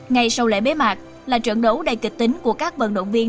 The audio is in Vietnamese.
ngay sau lễ bế mạc là trận đấu đầy kịch tính của các vận động viên